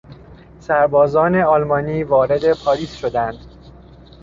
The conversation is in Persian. سربازان آلمانی وارد پاریس شدند.